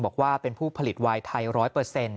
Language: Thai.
บอกว่าเป็นผู้ผลิตวายไทย๑๐๐